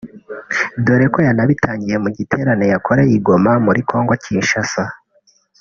dore ko yanabitangiye mu giterane yakoreye i Goma muri Kongo – Kinshasa